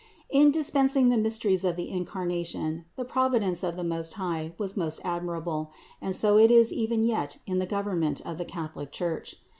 326. In dispensing the mysteries of the Incarnation the providence of the Most High was most admirable, and so it is even yet in the government of the Catholic Church.